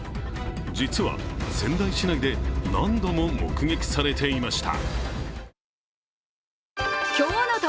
実は、仙台市内で何度も目撃されていました。